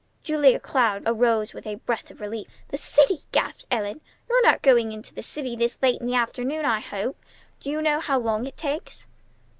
Julia Cloud arose with a breath of relief. "The city!" gasped Ellen. "You're not going into the city this late in the afternoon, I hope! Do you know how long it takes?"